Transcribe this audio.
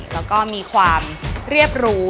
แล้วก็มีความเรียบรู้